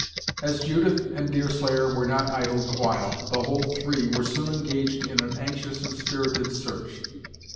As Judith and Deerslayer were not idle the while, the whole three were soon engaged in an anxious and spirited search.